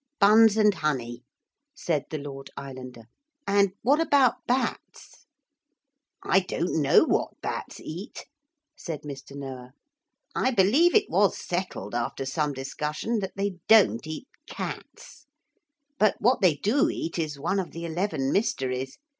'Buns and honey,' said the Lord Islander; 'and what about bats?' 'I don't know what bats eat,' said Mr. Noah; 'I believe it was settled after some discussion that they don't eat cats. But what they do eat is one of the eleven mysteries.